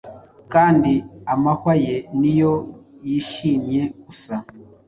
Kandi amahwa ye niyo yishimye gusa.